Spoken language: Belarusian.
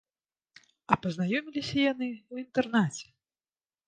А пазнаёміліся яны ў інтэрнаце.